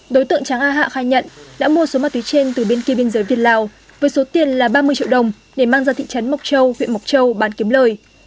đối tượng tráng a hạ khai nhận đã mua số ma túy trên từ bên kia biên giới việt lào với số tiền là ba mươi triệu đồng để mang ra thị trấn mộc châu huyện mộc châu bán kiếm lời